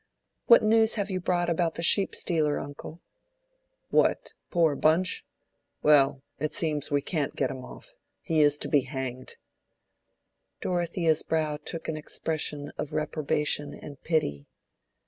"What news have you brought about the sheep stealer, uncle?" "What, poor Bunch?—well, it seems we can't get him off—he is to be hanged." Dorothea's brow took an expression of reprobation and pity.